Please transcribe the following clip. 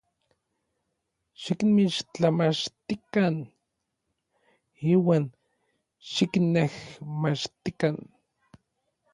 Xikinmixtlamachtikan iuan xikinnejmachtikan.